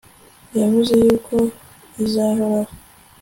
yavuze yuko izabahora